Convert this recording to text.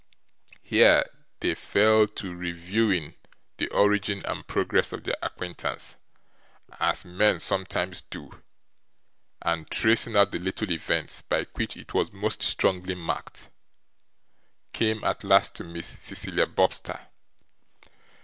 Here, they fell to reviewing the origin and progress of their acquaintance, as men sometimes do, and tracing out the little events by which it was most strongly marked, came at last to Miss Cecilia Bobster.